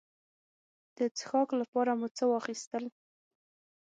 د څښاک لپاره مو څه واخیستل.